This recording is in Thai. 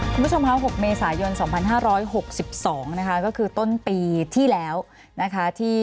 คุณผู้ชมค่ะ๖เมษายน๒๕๖๒นะคะก็คือต้นปีที่แล้วนะคะ